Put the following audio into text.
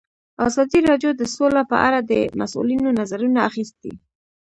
ازادي راډیو د سوله په اړه د مسؤلینو نظرونه اخیستي.